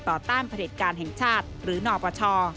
ต่อต้านเผยดการแห่งชาติหรือนปช